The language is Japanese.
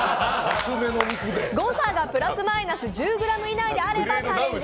誤差がプラスマイナス１０ｇ以内であればチャレンジ